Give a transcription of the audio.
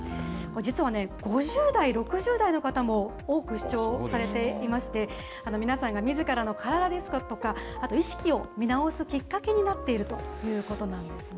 実はね、５０代、６０代の方も多く視聴されていまして、皆さんがみずからの体ですとか、あと意識を見直すきっかけになっているということなんですね。